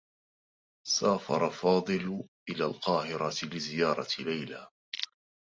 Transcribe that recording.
سافر فاضل إلى القاهرة لزيارة ليلى.